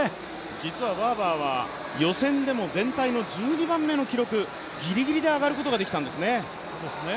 実はバーバーは予選でも全体の１２番目の記録、ギリギリで上がることができたんですね。